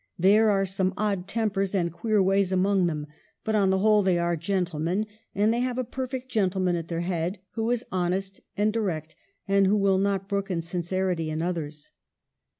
There are some odd tempers and queer ways among them, but on the whole they are gentlemen, and they have a perfect gentleman at their head, who is honest and direct and who will not brook in sincerity in others."